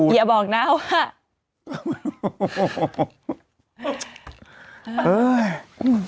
อย่าบอกนะว่า